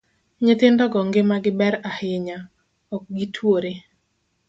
Nyithindogo ngimagi Ber ahinya, ok gi twore.